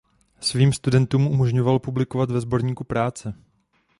Svým studentům umožňoval publikovat ve sborníku "Práce".